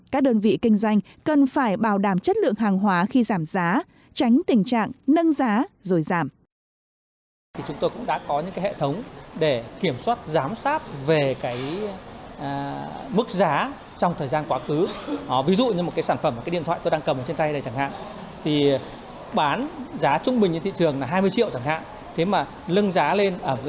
các đơn vị kinh doanh cần phải bảo đảm chất lượng hàng hóa khi giảm giá tránh tình trạng nâng giá rồi giảm